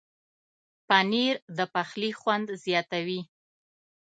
پنېر د پخلي خوند زیاتوي.